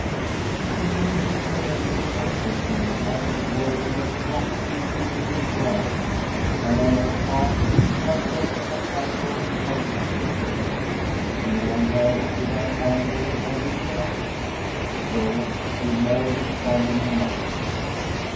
He made this momentous confession as if it were the most natural thing in the world; and on her part, such was the contagion of his simplicity, Miriam heard it without anger or disturbance, though with no responding emotion.